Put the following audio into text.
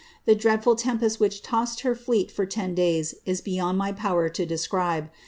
The dreadful tempest whicli to»t hor lloet fur ton days is beyond my power to de> scribe.